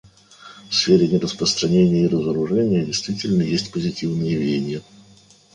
В сфере нераспространения и разоружения действительно есть позитивные веяния.